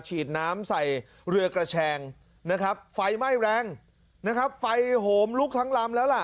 ฉีดน้ำใส่เรือกระแชงนะครับไฟไหม้แรงนะครับไฟโหมลุกทั้งลำแล้วล่ะ